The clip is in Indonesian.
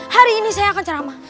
hari ini saya akan ceramah